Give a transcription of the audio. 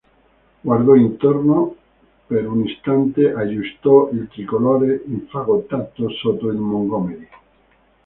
guardò intorno per un istante aggiustò il tricolore infagottato sotto il montgomery